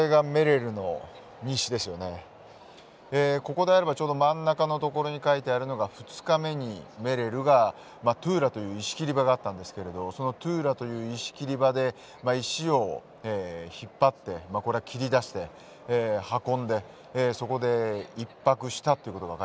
ここであればちょうど真ん中の所に書いてあるのが２日目にメレルがトゥーラという石切り場があったんですけれどそのトゥーラという石切り場で石を引っ張ってこれは切り出して運んでそこで１泊したということが書いてますね。